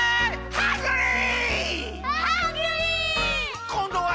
ハングリー！